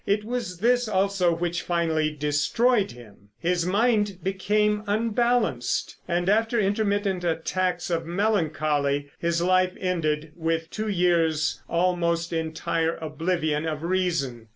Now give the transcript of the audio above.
It was this, also, which finally destroyed him. His mind became unbalanced, and after intermittent attacks of melancholy his life ended with two years' almost entire oblivion of reason.